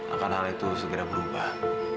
akan hal itu segera berubah